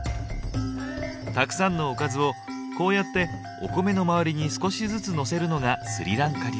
たくさんのおかずをこうやってお米の周りに少しずつのせるのがスリランカ流。